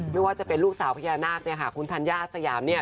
ไม่ว่าจะเป็นลูกสาวพญานาคเนี่ยค่ะคุณธัญญาสยามเนี่ย